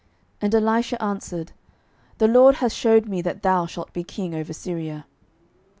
And Elisha answered, The LORD hath shewed me that thou shalt be king over Syria.